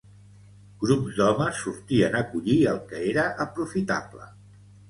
Grups d'homes sortien a collir el que era aprofitable